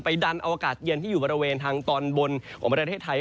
ดันเอาอากาศเย็นที่อยู่บริเวณทางตอนบนของประเทศไทย